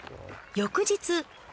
翌日。